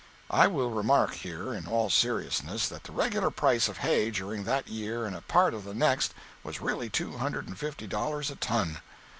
I will remark here, in all seriousness, that the regular price of hay during that year and a part of the next was really two hundred and fifty dollars a ton.